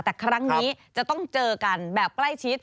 แต่ครั้งนี้จะต้องเจอกันแบบใกล้ชิด